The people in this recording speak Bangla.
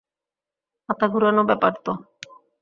মাথা ঘুরানো ব্যাপার তো।